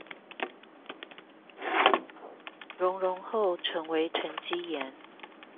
熔融後成為沈積岩